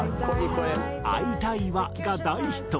『会いたいわ』が大ヒット。